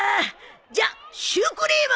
じゃあシュークリーム！